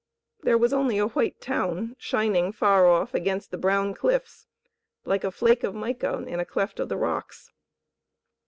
There was only a white town shining far off against the brown cliffs, like a flake of mica in a cleft of the rocks.